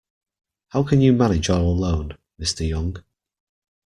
How can you manage all alone, Mr Young.